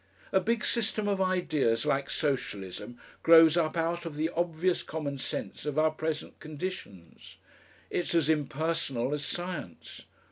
"A big system of ideas like Socialism grows up out of the obvious common sense of our present conditions. It's as impersonal as science.